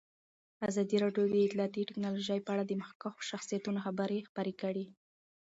ازادي راډیو د اطلاعاتی تکنالوژي په اړه د مخکښو شخصیتونو خبرې خپرې کړي.